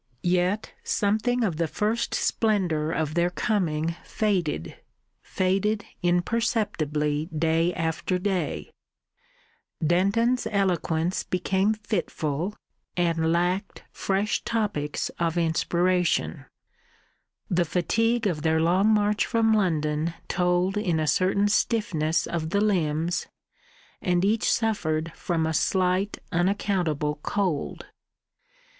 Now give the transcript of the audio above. Yet something of the first splendour of their coming faded faded imperceptibly day after day; Denton's eloquence became fitful, and lacked fresh topics of inspiration; the fatigue of their long march from London told in a certain stiffness of the limbs, and each suffered from a slight unaccountable cold.